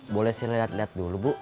boleh saya lihat lihat dulu bu